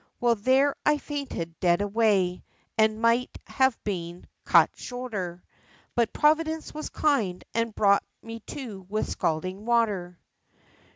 Well, there I fainted dead away, and might have been cut shorter, But Providence was kind, and brought me to with scalding water.